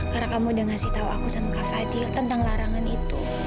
karena kamu udah ngasih tau aku sama kak fadil tentang larangan itu